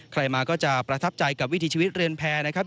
ใครมาก็จะประทับใจกับวิถีชีวิตเรือนแพร่นะครับ